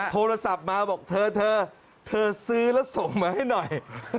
โทรศัพท์มาบอกเธอเธอซื้อแล้วส่งมาให้หน่อย